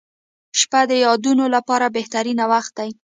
• شپه د یادونو لپاره بهترین وخت دی.